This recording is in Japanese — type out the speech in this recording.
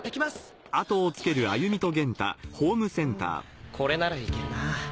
うんこれならいけるな。